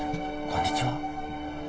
こんにちは。